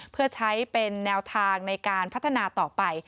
เพื่อใช้เป็นแนวทางในการพัฒนาต่อไป